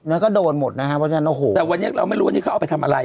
แล้วก็โดนหมดนะฮะเพราะฉะนั้นโอ้โหแต่วันนี้เราไม่รู้ว่านี่เขาเอาไปทำอะไร